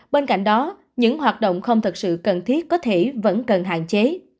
bên cạnh đó những hoạt động không thật sự cần thiết có thể vẫn cần hạn chế